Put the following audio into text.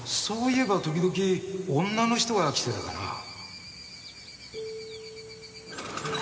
そういえば時々女の人が来てたかな。